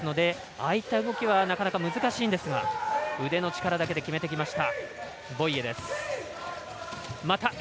あいった動きはなかなか難しいんですが腕の力だけで決めてきました。